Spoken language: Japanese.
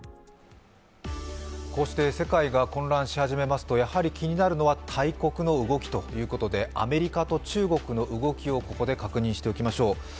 こうして世界が混乱し始めますとやはり気になるのは大国の動きということでアメリカと中国の動きをここで確認しておきましょう。